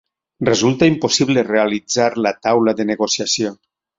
Resulta impossible realitzar la taula de negociació